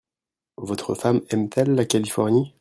Votre femme aime-t-elle la Californie ?